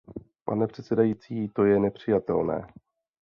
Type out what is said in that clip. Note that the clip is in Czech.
Pane předsedající, to je nepřijatelné.